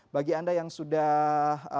bagi anda yang sudah